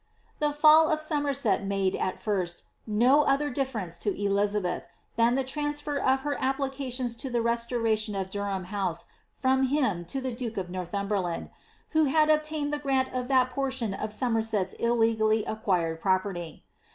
The fall of Somerset made, at first, no other difference to Elizabeth, than the transfer of her applications for the restoration of Durham House from him to the duke of Northumberland, who had obtained the grant of that portion of Somerset's illegally acquired property.